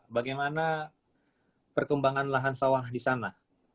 bagaimana perkembangan lahan sawah di sana